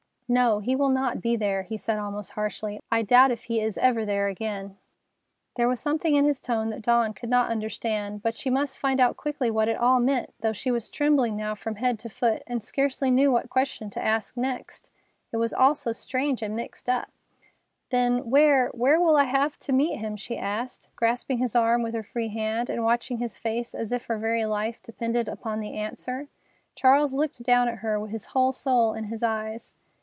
"No, he will not be there!" he said almost harshly, "I doubt if he is ever there again." There was something in his tone that Dawn could not understand, but she must find out quickly what it all meant, though she was trembling now from head to foot, and scarcely knew what question to ask next. It was all so strange and mixed up. "Then, where—where will I have to meet him?" she asked, grasping his arm with her free hand and watching his face as if her very life depended upon the answer. Charles looked down at her, his whole soul in his eyes.